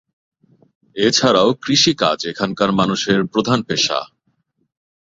এছাড়াও কৃষিকাজ এখানকার মানুষের প্রধান পেশা।